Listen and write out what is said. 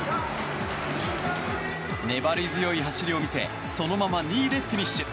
粘り強い走りを見せそのまま２位でフィニッシュ。